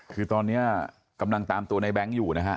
คือตอนนี้กำลังตามตัวในแบงค์อยู่นะฮะ